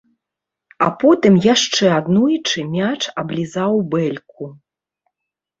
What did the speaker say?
А потым яшчэ аднойчы мяч аблізаў бэльку.